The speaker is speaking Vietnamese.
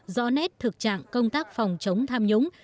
rõ nét thực trạng công tác phòng chống tham nhũng